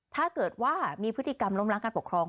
ถ้าเกิดว่ามีพฤติกรรมล้มล้างการปกครอง